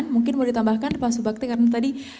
mungkin mau ditambahkan pak subakti karena tadi